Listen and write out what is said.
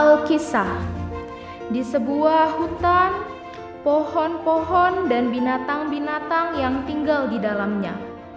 ada kisah di sebuah hutan pohon pohon dan binatang binatang yang tinggal di dalamnya